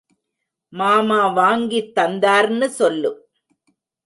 மாமா வாங்கித் தந்தார்னு சொல்லு.